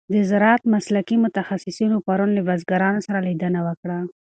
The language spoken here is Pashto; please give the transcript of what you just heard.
د زراعت مسلکي متخصصینو پرون له بزګرانو سره لیدنه وکړه.